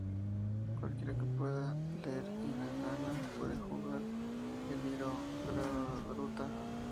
Cualquiera que pueda leer hiragana puede jugar el iroha-garuta.